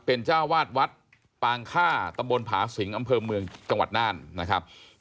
เป็นเจ้าวาดวัดปางค่าตำบลผาสิงอำเภอเมืองจังหวัดน่านนะครับ